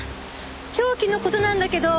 凶器の事なんだけど。